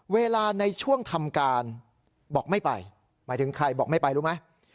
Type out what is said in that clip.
เวลาในช่วงทำการบอกไม่ไปหมายถึงใครบอกไม่ไปรู้ไหม